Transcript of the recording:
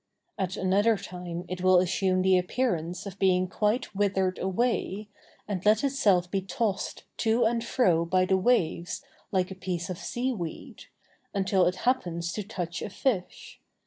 At another time it will assume the appearance of being quite withered away, and let itself be tossed to and fro by the waves like a piece of sea weed, until it happens to touch a fish.